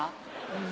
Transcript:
うん。